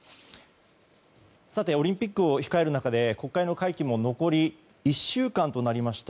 オリンピックを控える中で国会の会期も残り１週間となりました。